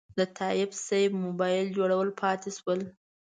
د تایب صیب موبایل جوړول پاتې شول.